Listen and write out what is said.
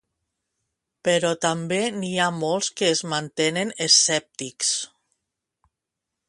Però també n'hi ha molts que es mantenen escèptics.